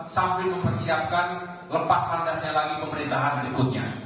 sambil mempersiapkan lepas landasnya lagi pemerintahan berikutnya